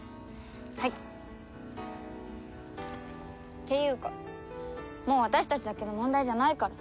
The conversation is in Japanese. っていうかもう私たちだけの問題じゃないから。